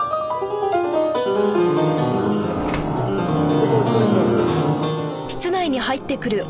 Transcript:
ちょっと失礼します。